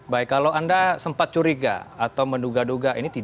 baik kalau anda sempat curiga atau menduga duga